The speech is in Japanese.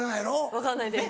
分かんないです。